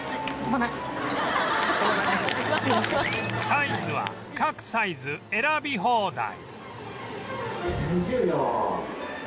サイズは各サイズ選び放題